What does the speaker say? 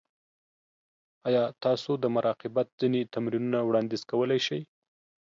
ایا تاسو د مراقبت ځینې تمرینونه وړاندیز کولی شئ؟